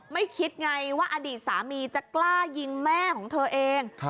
คิดไงว่าอดีตสามีจะกล้ายิงแม่ของเธอเอง